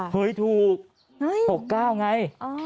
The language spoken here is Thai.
เคยถูก๖๙ไง